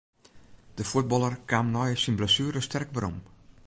De fuotballer kaam nei syn blessuere sterk werom.